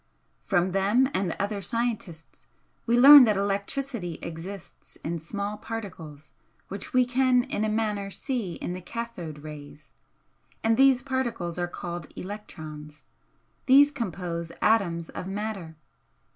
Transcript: From them and other scientists we learn that electricity exists in small particles which we can in a manner see in the 'cathode' rays, and these particles are called 'electrons.' These compose 'atoms of matter.'